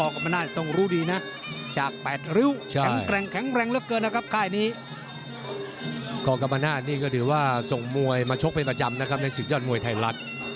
กรรมนาศกรรมนาศนี่ก็ถือว่าส่งมวยมาชกเป็นประจำนะครับในศึกยอดมวยไทยรัฐ